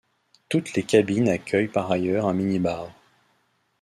Toutes les cabines accueillent par ailleurs un minibar.